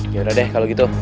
ya udah deh kalau gitu